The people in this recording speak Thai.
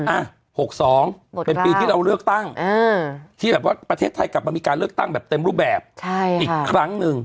อ่ะ๖๒เป็นปีที่เราเลือกตั้งที่แบบว่าประเทศไทยกลับมามีการเลือกตั้งแบบเต็มรูปแบบอีกครั้งหนึ่ง